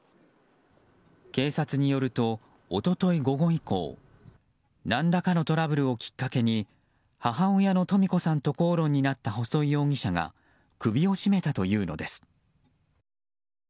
警察によると一昨日午後以降何らかのトラブルをきっかけに母親の登美子さんと口論になった細井容疑者が首を絞めたというのです。